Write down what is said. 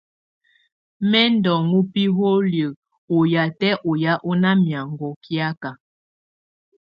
Mɛ̀ ndɔ̀ ɔŋ biholiǝ́ ɔ yatɛ̀ ɔyà ɔ́ nà miaŋgɔ kiaka.